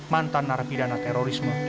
mantan narapidana terorisme